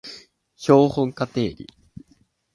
標本化定理